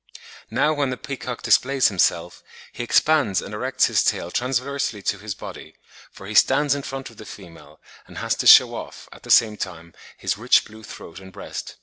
Now when the peacock displays himself, he expands and erects his tail transversely to his body, for he stands in front of the female, and has to shew off, at the same time, his rich blue throat and breast.